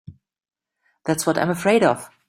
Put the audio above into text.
That's what I'm afraid of.